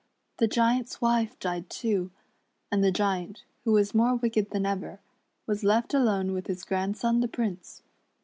The Giant's wife died too, and the Giant, who was more wicked than ever, was left alone with his grandson the Prince.